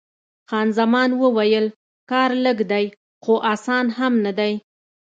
خان زمان وویل: کار لږ دی، خو اسان هم نه دی.